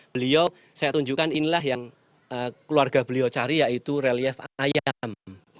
beliau saya tunjukkan inilah yang keluarga beliau cari yaitu relief ayam